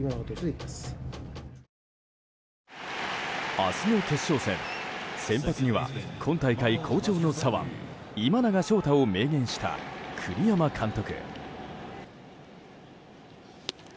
明日の決勝戦、先発には今大会好調の左腕今永昇太を明言した栗山監督。